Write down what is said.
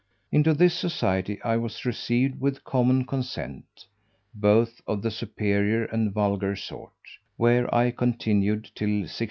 Into this society I was received with common consent, both of the superior and vulgar sort, where I continued till 1672.